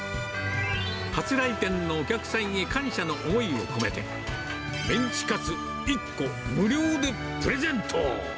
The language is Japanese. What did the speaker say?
初来店のお客さんに感謝の思いを込めて、メンチカツ１個、無料でプレゼント。